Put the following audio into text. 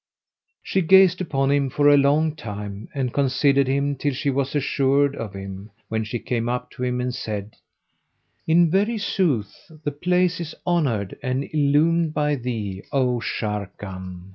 She gazed upon him for a long time and considered him till she was assured of him, when she came up to him and said, "In very sooth the place is honoured and illumined by thee, O Sharrkan!